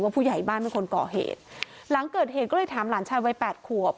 ผู้ใหญ่บ้านเป็นคนก่อเหตุหลังเกิดเหตุก็เลยถามหลานชายวัยแปดขวบ